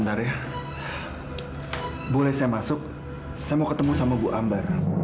haris untuk apa